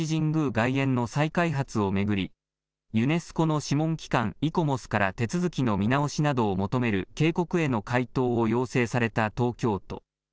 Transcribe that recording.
外苑の再開発を巡り、ユネスコの諮問機関、イコモスから手続きの見直しなどを求める警告への回答を要請された東京都。